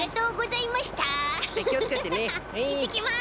いってきます！